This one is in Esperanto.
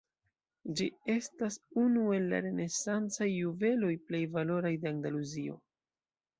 Ĝi estas unu el la renesancaj juveloj plej valoraj de Andaluzio.